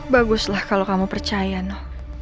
baguslah kalau kamu percaya no